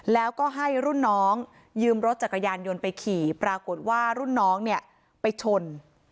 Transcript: แล้วก็ให้รุ่นน้องยืมรถจักรยานยนต์ไปขี่ปรากฏว่ารุ่นน้องเนี่ยไปชน